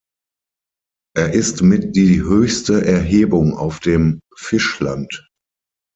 Er ist mit die höchste Erhebung auf dem Fischland.